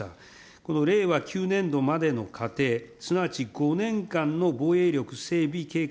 この令和９年度までの過程、すなわち５年間の防衛力整備計画